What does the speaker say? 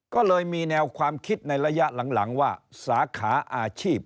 ก็เลยมีแนวความคิดในระยะหลังว่าสาขาอาชีพ